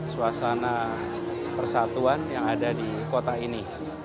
suasana persatuan yang ada di kota ini